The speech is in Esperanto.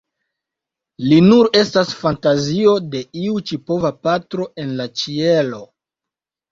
Li nur estas fantazio de iu ĉiopova patro en la ĉielo.